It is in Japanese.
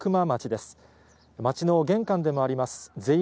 町の玄関でもあります